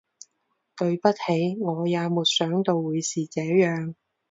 对不起，我也没想到会是这样